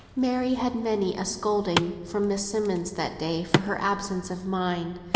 Mary had many a scolding from Miss Simmonds that day for her absence of mind.